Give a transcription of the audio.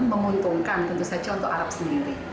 menguntungkan tentu saja untuk arab sendiri